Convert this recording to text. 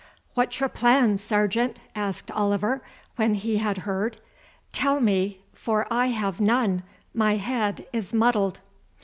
"What's your plan, Sergeant?" asked Oliver when he had heard. "Tell me, for I have none; my head is muddled."